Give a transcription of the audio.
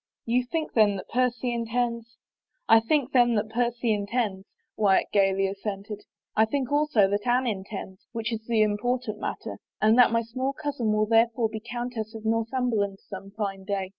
" You think then that Percy intends —?"" I think then that Percy intends," Wyatt gayly as sented. " I think also that Anne intends, which is the important matter, and that my small cousin will there fore be Q)untess of Northimiberland some fine day.